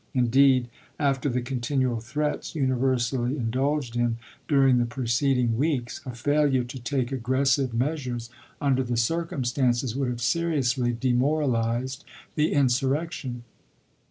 Indeed, after the continual threats universally indulged in during the preceding weeks, a failure to take aggressive FORT SUMTEE 57 measures under the circumstances would have seri ously demoralized the insurrection.